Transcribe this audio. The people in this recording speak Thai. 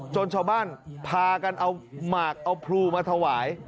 ชาวบ้านพากันเอาหมากเอาพลูมาถวาย